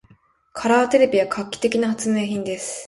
カラーテレビは画期的な発明品です。